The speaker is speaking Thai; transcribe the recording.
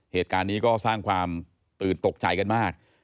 เหตุการณ์นี้ก็สร้างความตื่นตกใจกันมาก